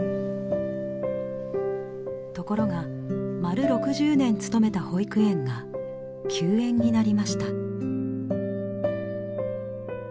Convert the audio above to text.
ところが丸６０年勤めた保育園が休園になりました。